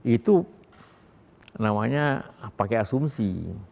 itu namanya pakai asumsi